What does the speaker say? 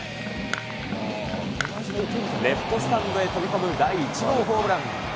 レフトスタンドへ飛び込む、第１号ホームラン。